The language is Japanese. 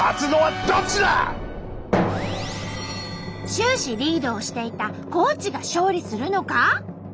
終始リードをしていた高知が勝利するのか！？